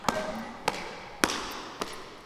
Fundador del Centro de Formación Somorrostro.